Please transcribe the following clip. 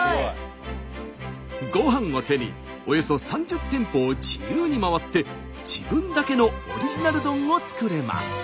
ご飯を手におよそ３０店舗を自由に回って自分だけのオリジナル丼を作れます。